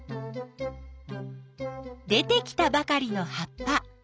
出てきたばかりの葉っぱ。